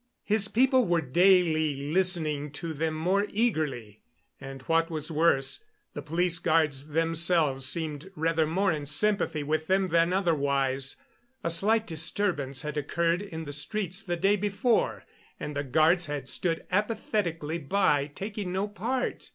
His people were daily listening to them more eagerly; and, what was worse, the police guards themselves seemed rather more in sympathy with them than otherwise. A slight disturbance had occurred in the streets the day before, and the guards had stood apathetically by, taking no part.